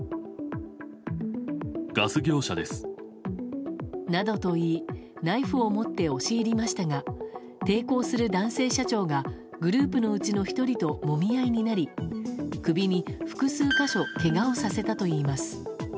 ガス業者です。などと言い、ナイフを持って押し入りましたが抵抗する男性社長がグループのうちの１人ともみ合いになり、首に複数箇所けがをさせたといいます。